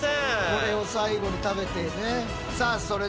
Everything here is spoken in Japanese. これを最後に食べてね。